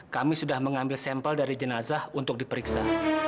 kami sudah mengambil sampel dari jenazah untuk diperiksa